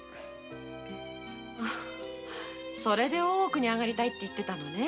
それで大奥にあがりたいと言ってたのね。